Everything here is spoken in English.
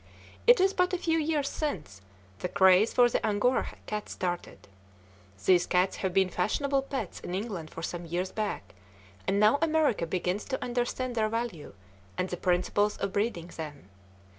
It is but a few years since the craze for the Angora cat started. These cats have been fashionable pets in England for some years back, and now America begins to understand their value and the principles of breeding them.